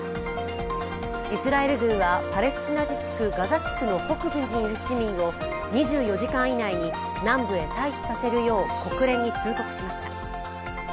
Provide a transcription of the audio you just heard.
イスラエル軍はパレスチナ自治区ガザ地区の北部にいる市民を２４時間以内に南部へ退避させるよう国連に通告しました。